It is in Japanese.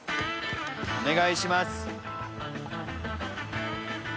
お願いします。